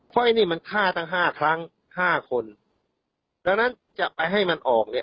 เพราะไอ้นี่มันฆ่าตั้งห้าครั้งห้าคนดังนั้นจะไปให้มันออกเนี่ย